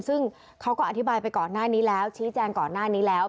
ซึ่งเขาก็อธิบายไปก่อนหน้านี้แล้วชี้แจงก่อนหน้านี้แล้ว